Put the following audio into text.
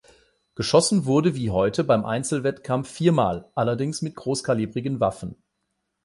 Geschossen wurde wie heute beim Einzelwettkampf viermal, allerdings mit großkalibrigen Waffen.